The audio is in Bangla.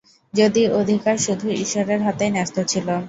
যার অধিকার শুধু ঈশ্বরের হাতেই ন্যাস্ত ছিল।